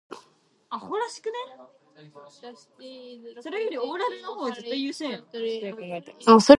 The time had come for Atlantic City to have a hospital.